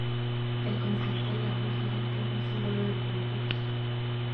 El concepto del álbum gira en torno al símbolo del pulpo.